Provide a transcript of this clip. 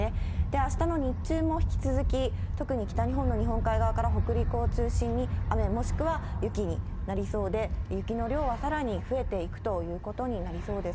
あしたの日中も引き続き、特に北日本の日本海側から北陸を中心に、雨もしくは雪になりそうで、雪の量はさらに増えていくということになりそうです。